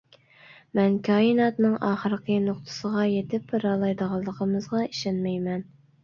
مەن كائىناتنىڭ ئاخىرقى نۇقتىسىغا يېتىپ بارالايدىغانلىقىمىزغا ئىشەنمەيمەن.